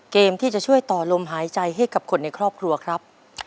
เกมที่จะช่วยต่อลมหายใจให้กับคนในครอบครัวครับ